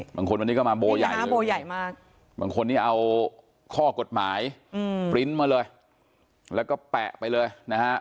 บางคนวันนี้ก็มาโบใหญ่นะโบใหญ่มากบางคนนี้เอาข้อกฎหมายปริ้นต์มาเลยแล้วก็แปะไปเลยนะฮะ